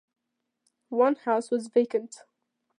One house was vacant.